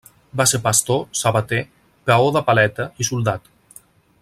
Va ser pastor, sabater, peó de paleta i soldat.